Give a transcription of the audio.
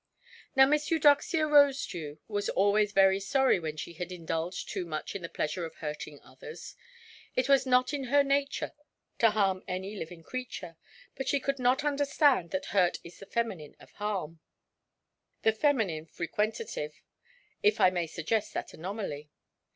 Now Miss Eudoxia Rosedew was always very sorry when she had indulged too much in the pleasure of hurting others. It was not in her nature to harm any living creature; but she could not understand that hurt is the feminine of harm—the feminine frequentative, if I may suggest that anomaly.